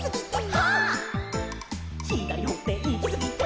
「はっ」「ひだりほっていきすぎて」